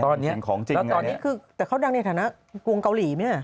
ตอนนี้แต่เขาดังในฐานะกวงเกาหลีไหม